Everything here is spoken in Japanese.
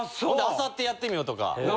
あさってやってみようとか。